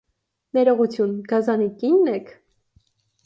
ներողություն, գազանի կի՞նն եք: